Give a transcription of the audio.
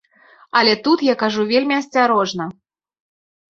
Але тут я кажу вельмі асцярожна.